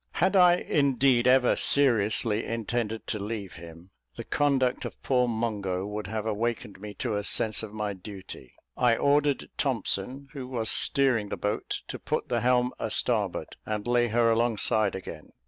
Had I, indeed, ever seriously intended to leave him, the conduct of poor Mungo would have awakened me to a sense of my duty. I ordered Thompson, who was steering the boat, to put the helm a starboard, and lay her alongside again.